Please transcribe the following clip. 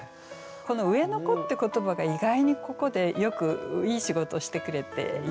この「上の子」って言葉が意外にここでよくいい仕事してくれていて。